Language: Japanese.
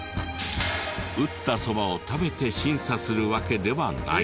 打ったそばを食べて審査するわけではない。